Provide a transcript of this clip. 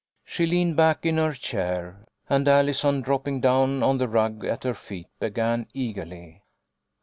She leaned back in her chair, and Allison, dropping down on the rug at her feet, began eagerly.